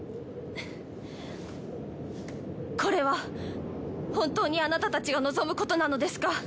これは本当にあなたたちが望むことなのですか！？